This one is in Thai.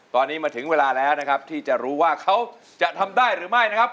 ตอนนี้มาถึงเวลาแล้วนะครับที่จะรู้ว่าเขาจะทำได้หรือไม่นะครับ